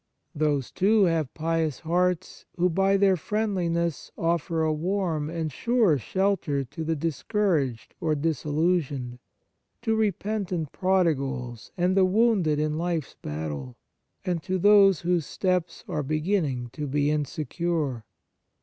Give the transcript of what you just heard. Those, too, have pious hearts, who, * 2 Cor. ii. 15. 117 On Piety by their friendliness offer a warm and sure shelter to the discouraged or disillusioned, to repentant prodigals and the wounded in life's battle, and to those whose steps are be ginning to be insecure.